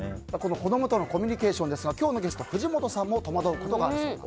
子供とのコミュニケーションですが今日のゲスト、藤本さんも戸惑うことがあるそうです。